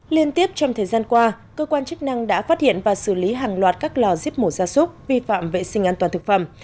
liên tiếp trong thời gian qua cơ quan chức năng đã phát hiện và xử lý hàng loạt các lò giết mổ ra súc vi phạm vệ sinh an toàn thực phẩm